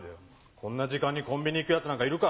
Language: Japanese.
こんな時間にコンビニ行くヤツなんかいるか。